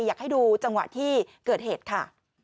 อยากให้ดูจังหวะที่เกิดเหตุค่ะ